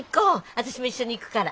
私も一緒に行くから。